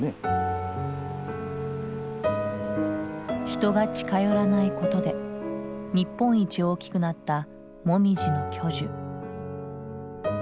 人が近寄らないことで日本一大きくなったモミジの巨樹。